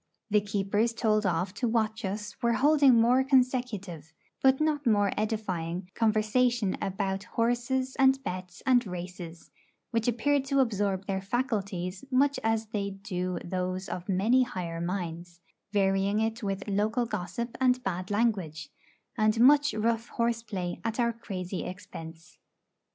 The keepers told off to watch us were holding more consecutive, but not more edifying, conversation about horses and bets and races, which appear to absorb their faculties much as they do those of many higher minds, varying it with local gossip and bad language, and much rough horse play at our crazy expense.